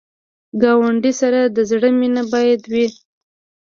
ګاونډي سره د زړه مینه باید وي